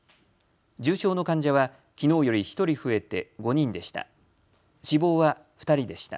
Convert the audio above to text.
重症の患者はきのうより１人増えて５人でした。